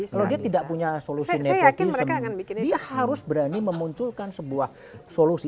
kalau dia tidak punya solusi nepotis dia harus berani memunculkan sebuah solusi